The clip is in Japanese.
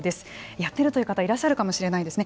やってるという方いらっしゃるかもしれないですね。